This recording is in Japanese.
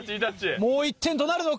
もう１点となるのか？